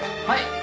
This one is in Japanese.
はい。